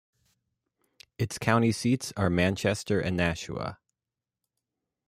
Its county seats are Manchester and Nashua.